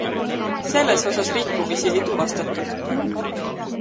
Selles osas rikkumisi ei tuvastatud.